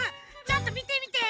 ちょっとみてみて。